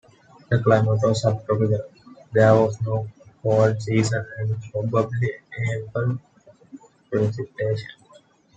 The climate was subtropical; there was no cold season and probably ample precipitation.